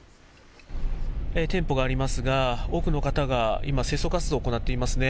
店舗がありますが、多くの方が今、清掃活動を行っていますね。